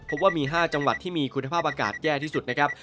พบว่ามี๕จังหวัดที่มีคุณภาพอากาศแย่ที่สุดนะครับ